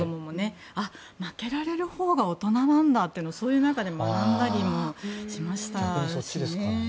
あ、負けられるほうが大人なんだということをそういう中で学んだりもしましたしね。